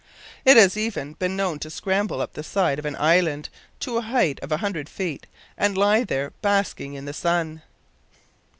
It has even been known to scramble up the side of an island to a height of a hundred feet, and there lie basking in the sun.